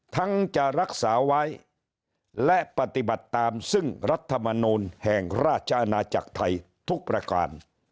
จะรักษาไว้และปฏิบัติตามซึ่งรัฐมนูลแห่งราชอาณาจักรไทยทุกประการ